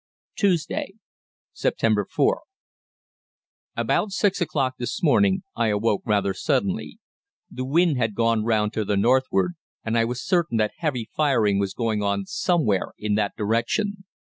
"TUESDAY, September 4. "About six o'clock this morning I awoke rather suddenly. The wind had gone round to the northward, and I was certain that heavy firing was going on somewhere in that direction.